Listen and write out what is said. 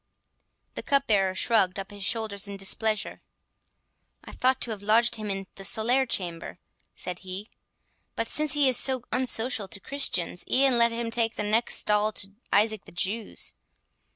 The cupbearer shrugged up his shoulders in displeasure. "I thought to have lodged him in the solere chamber," said he; "but since he is so unsocial to Christians, e'en let him take the next stall to Isaac the Jew's.